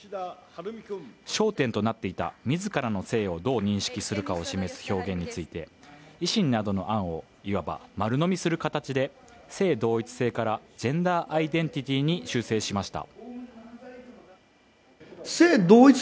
焦点となっていた自らの性をどう認識するかを示す表現について維新などの案を、いわば丸のみする形で、性同一性からジェンダー・アイデンティティに修正しました。